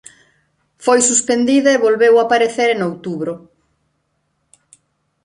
Foi suspendida e volveu aparecer en outubro.